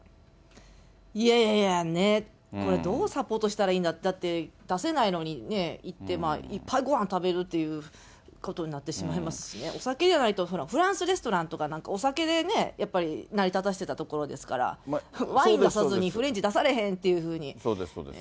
いやいやいや、寝、これどうサポートしたらいいんだ、だって出せないのに行って、いっぱいごはん食べるということになってしまいますしね、お酒じゃないと、フランスレストランとかお酒でやっぱり成り立たせてたところですから、ワイン出さずにフレンチ出されへんっていうふうにね。